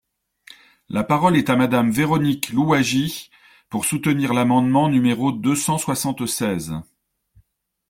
La parole est à Madame Véronique Louwagie, pour soutenir l’amendement numéro deux cent soixante-seize.